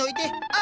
あ